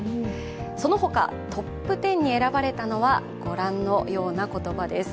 そのほかトップ１０に選ばれたのは、ご覧のような言葉です。